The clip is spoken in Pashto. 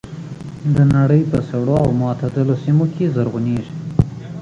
د نړۍ په سړو او معتدلو سیمو کې زرغونېږي.